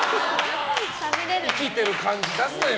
生きてる感じ出すなよ！